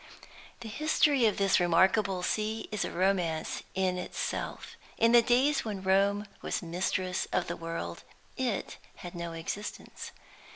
The history of this remarkable sea is a romance in itself. In the days when Rome was mistress of the world, it had no existence.